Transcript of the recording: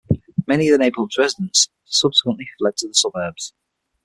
Many of the neighborhood's residents subsequently fled to the suburbs.